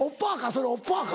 それ「オッパ」か？